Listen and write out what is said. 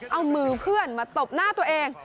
เอามือเพื่อนมาตบหน้าตัวเอง